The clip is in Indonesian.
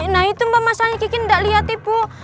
nah itu masalahnya kiki gak liat ibu